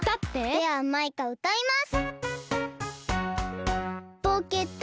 ではマイカ歌います！